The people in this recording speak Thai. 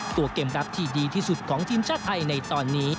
ตัวเกมรับที่ดีที่สุดของทีมชาติไทยในตอนนี้